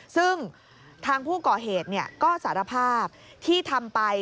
ซึ่งทางผู้ก่อเหตุก็สารภาพที่ทำไป